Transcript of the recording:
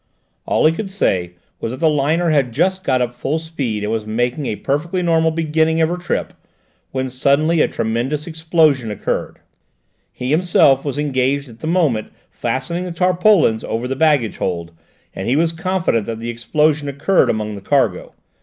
All he could say was that the liner had just got up full speed and was making a perfectly normal beginning of her trip, when suddenly a tremendous explosion occurred. He himself was engaged at the moment fastening the tarpaulins over the baggage hold, and he was confident that the explosion occurred among the cargo.